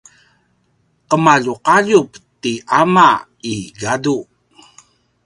qemaljuqaljup ti ama i gadu